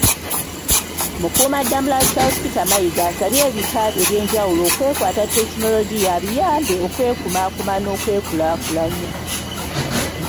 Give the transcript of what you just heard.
Mukuumaddamula Charles Peter Mayiga, asabye ebika eby’enjawulo okwekwata tekinologiya abiyambe okwekumakuma wamu n’okwekulakulanya.